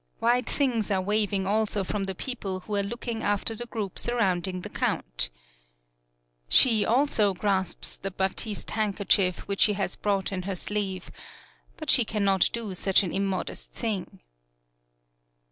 White things are waving also from the people who are looking after the group surrounding the count. She also grasps the batiste handkerchief 66 THE PIER which she has brought in her sleeve, but she cannot do such an immodest thing.